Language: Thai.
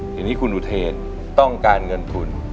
ทีนี้คุณอุเทนต้องการเงินทุน